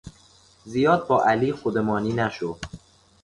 زیاد با علی خودمانی نشو.